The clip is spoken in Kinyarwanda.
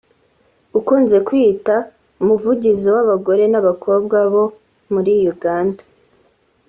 ukunze kwiyita umuvugizi w’abagore n’abakobwa bo muri Uganda